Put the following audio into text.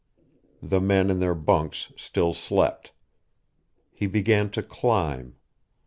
The men in their bunks still slept. He began to climb....